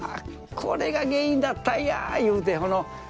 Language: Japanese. これが原因だったんや言うてこの。